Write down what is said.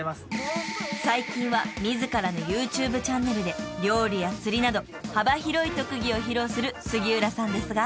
［最近は自らのＹｏｕＴｕｂｅチャンネルで料理や釣りなど幅広い特技を披露する杉浦さんですが］